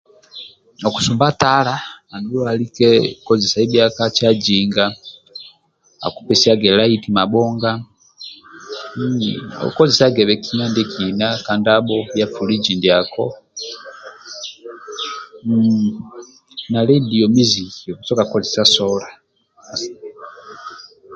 Okusumba tala andulu bhalike kozesai bhia ka cajinga akupesiage laiti mabhonga hhh okejesagebe kima ndiekina ka ndabho bhia ka fuliji ndiako na ledio muziki osoboka kozesa sola